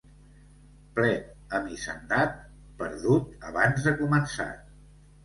Plet amb hisendat, perdut abans de començat.